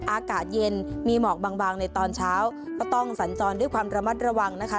อากาศเย็นมีหมอกบางในตอนเช้าก็ต้องสัญจรด้วยความระมัดระวังนะคะ